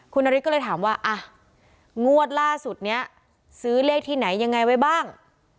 คุณนฤทธิก็เลยถามว่าอ่ะงวดล่าสุดนี้ซื้อเลขที่ไหนยังไงไว้บ้าง